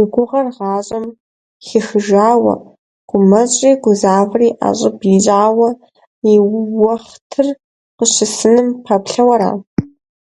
И гугъэр гъащӏэм хихыжауэ, гумэщӏри гузавэри ӏэщӏыб ищӏауэ и уэхътыр къыщысыным пэплъэу ара?